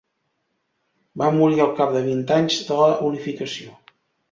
Va morir al cap de vint anys de la unificació.